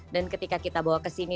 dan ketika kita bawa ke sini